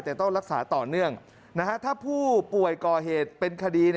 แต่ต้องรักษาต่อเนื่องถ้าผู้ป่วยก่อเหตุเป็นคดี